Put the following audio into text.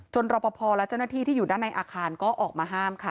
รอปภและเจ้าหน้าที่ที่อยู่ด้านในอาคารก็ออกมาห้ามค่ะ